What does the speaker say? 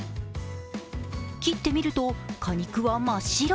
切ってみると、果肉は真っ白。